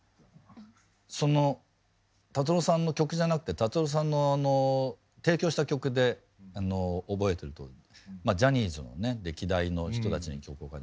その達郎さんの曲じゃなくて達郎さんのあの提供した曲であの覚えてるというかまあジャニーズのね歴代の人たちに曲を書いてます。